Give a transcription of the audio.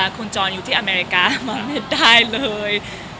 คุณจรอยู่ที่อเมริกามาไม่ได้เลย